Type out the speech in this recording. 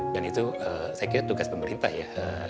dan itu saya kira tugas pemerintah ya